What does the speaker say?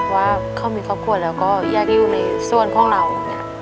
ว่าเขามีครอบครัวแล้วก็อยากอยู่ในส่วนของเรา